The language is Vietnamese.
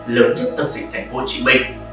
lớn nhất tâm trình thành phố chí bệnh